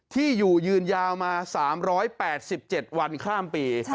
ที่อยู่ยืนยาวมา๓๘๗วันข้ามปี